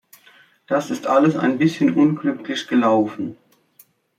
Das ist alles ein bisschen unglücklich gelaufen.